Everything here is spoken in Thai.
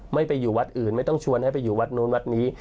ไม่ไปอยู่วัดอื่นไม่ต้องชวนให้ไปอยู่วัดนู้นวัดนี้